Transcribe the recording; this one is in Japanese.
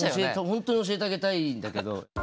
ホントに教えてあげたいんだけど。